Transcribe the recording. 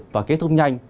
và kết thúc nhanh